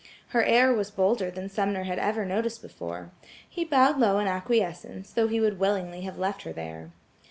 Her air was bolder than Sumner had ever noticed before. He bowed low in acquiescence, though he would willingly have left her there.